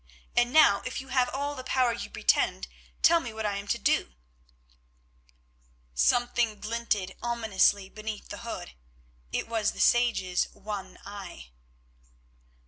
"And now, if you have all the power you pretend, tell me what I am to do." Something glinted ominously beneath the hood, it was the sage's one eye.